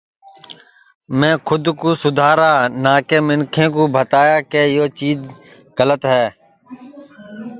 میں کھود کُو سیٹ کرا نہ کہ منکھیں کُو بھتایا کہ یہ چیجا گلت ہے